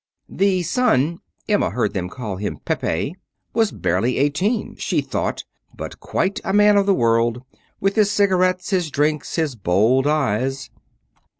The son (Emma heard them call him Pepe) was barely eighteen, she thought, but quite a man of the world, with his cigarettes, his drinks, his bold eyes.